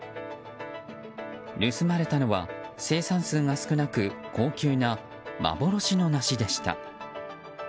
盗まれたのは生産数が少なく高級な幻の梨でした。